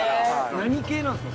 何系なんですか？